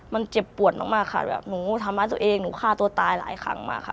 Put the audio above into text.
มันเจ็บปวดมากค่ะแบบหนูทำร้ายตัวเองหนูฆ่าตัวตายหลายครั้งมากค่ะ